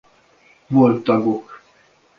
Volt tagok